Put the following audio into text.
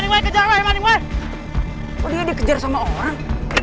weh weh weh kejar lewat ini gue kejar sama orang